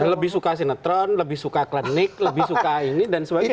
lebih suka sinetron lebih suka klinik lebih suka ini dan sebagainya